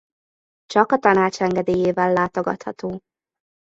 Csak a tanács engedélyével látogatható.